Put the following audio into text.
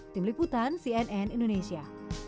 tim liputan cnn indonesia